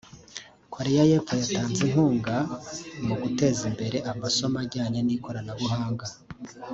Koreya y’Epfo yatanze inkunga mu guteza imbere amasomo ajyanye n’ikoranabuhanga